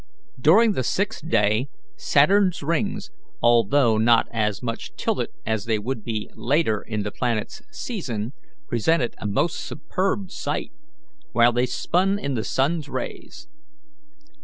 During the sixth day Saturn's rings, although not as much tilted as they would be later in the planet's season, presented a most superb sight, while they spun in the sun's rays.